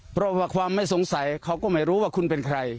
เพราะว่าความไม่สงสัยเขาก็ไม่รู้ว่าคุณเป็นใคร